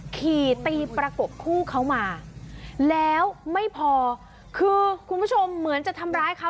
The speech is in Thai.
ขี่ตีประกบคู่เขามาแล้วไม่พอคือคุณผู้ชมเหมือนจะทำร้ายเขา